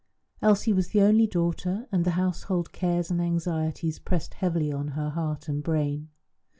Elsie was the only daughter, and the household cares and anxieties pressed heavily on her heart and brain.